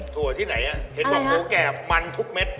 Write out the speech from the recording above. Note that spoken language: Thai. ตัวที่ไหนมันทุกเม็ดมันทุกเม็ด